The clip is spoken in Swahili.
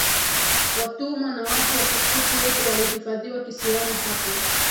Watumwa na watu watukutu wote walihifadhiwa kisiwani hapo